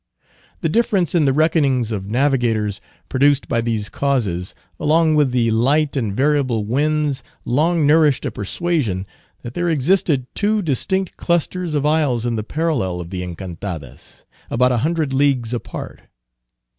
The difference in the reckonings of navigators, produced by these causes, along with the light and variable winds, long nourished a persuasion, that there existed two distinct clusters of isles in the parallel of the Encantadas, about a hundred leagues apart.